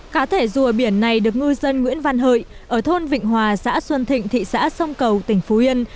cá thể rùa biển này được ngư dân nguyễn văn hợi ở thôn vịnh hòa xã xuân thịnh thị xã sông cầu tỉnh phú yên